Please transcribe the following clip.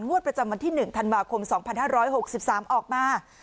ประจำวันที่๑ธันวาคม๒๕๖๓ออกมา